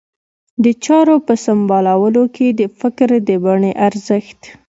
د چارو په سمبالولو کې د فکر د بڼې ارزښت.